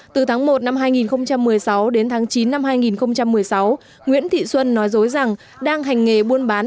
từ tháng một năm hai nghìn một mươi sáu đến tháng chín năm hai nghìn một mươi sáu nguyễn thị xuân nói dối rằng đang hành nghề buôn bán